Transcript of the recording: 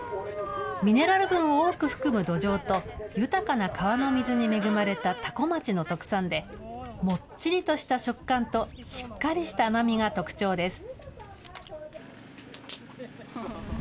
ミネラル分を多く含む土壌と、豊かな川の水に恵まれた多古町の特産で、もっちりとした食感としっかりした甘みが特徴です。